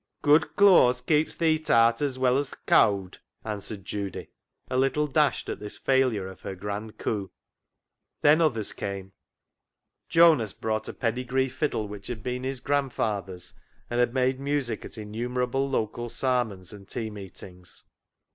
" Good cloas keeps th' heat aat as well as t' cowd," answered Judy, a little dashed at this failure of her grand coup. Then others came. Jonas brought a pedi gree fiddle, which had been his grandfather's, and had made music at innumerable local " sarmons " and tea meetings.